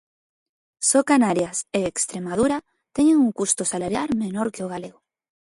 Só Canarias e Estremadura teñen un custo salarial menor que o galego.